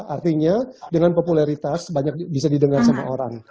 artinya dengan popularitas banyak bisa didengar sama orang